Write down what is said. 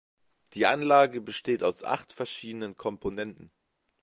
Die Anlage besteht aus acht verschiedenen Komponenten.